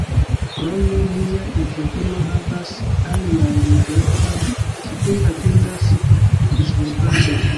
Krome, nia entrepreno havas aliajn projektojn kiuj atendas disvolvadon.